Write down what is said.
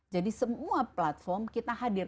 jadi semua platform kita hadir